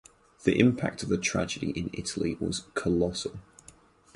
The impact of the tragedy in Italy was colossal.